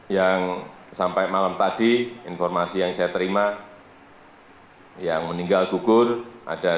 yang sampai malam tadi informasi yang saya terima yang meninggal gugur ada